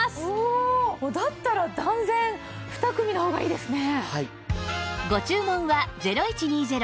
だったら断然２組の方がいいですね。